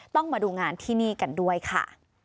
ต้องมาดูงานที่นี่กันด้วยค่ะ